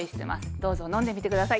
どうぞ飲んでみてください。